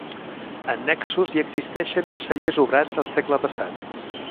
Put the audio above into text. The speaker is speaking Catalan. Annexos hi existeixen uns cellers obrats el segle passat.